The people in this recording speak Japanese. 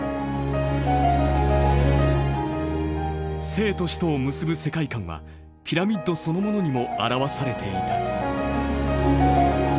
生と死とを結ぶ世界観はピラミッドそのものにも表されていた。